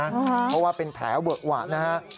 เพราะว่าเป็นแผลเบือกหวะนะครับ